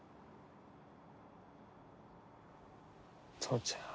父ちゃん。